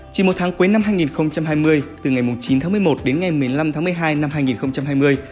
chỉ một tháng cuối năm hai nghìn hai mươi từ ngày chín tháng một mươi một đến ngày một mươi năm tháng một mươi hai năm hai nghìn hai mươi